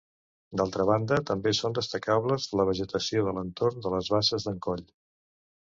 D'altra banda, també són destacables la vegetació de l'entorn de les Basses d'en Coll.